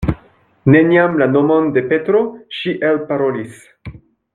Neniam la nomon de Petro ŝi elparolis.